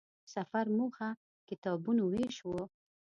د سفر موخه کتابونو وېش و.